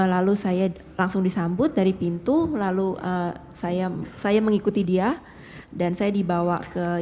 lalu saya langsung disambut dari pintu lalu saya mengikuti dia dan saya dibawa ke